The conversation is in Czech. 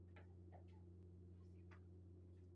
Koneckonců jsme největší hospodářství na světě.